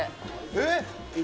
えっ！